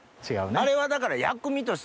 あれはだから。